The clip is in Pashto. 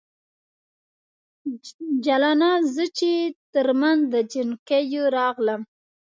جلانه ! زه به چې ترمنځ د جنکیو راغلم